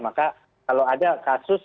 maka kalau ada kasus